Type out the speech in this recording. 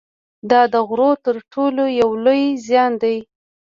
دا د غرور تر ټولو یو لوی زیان دی